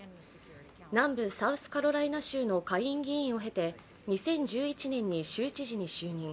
南部サウスカロライナ州の下院議員を経て２０１１年に州知事に就任。